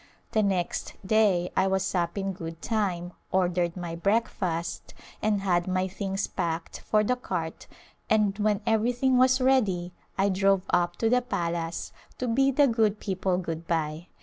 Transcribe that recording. The next day I was up in good time, ordered my breakfast, and had my things packed for the cart and when everything was ready I drove up to the palace to bid the good people good bye.